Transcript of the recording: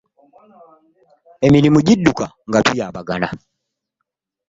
Emirimu gidduka nga tuyambagana.